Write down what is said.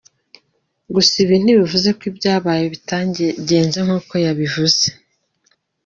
Gusa ibi ntibivuze ko ibyabaye bitagenze nk’uko yabivuze.